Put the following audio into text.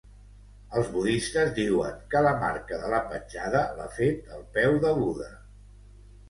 Els budistes diuen que la marca de la petjada l'ha fet el peu de Buda.